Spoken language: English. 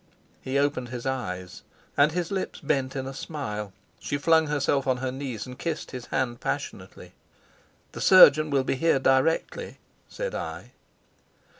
He opened his eyes, and his lips bent in a smile. She flung herself on her knees and kissed his hand passionately. "The surgeon will be here directly," said I.